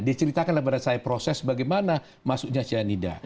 dia ceritakan pada saya proses bagaimana masuknya cyanida